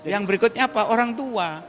yang berikutnya apa orang tua